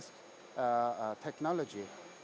itu teknologi pertama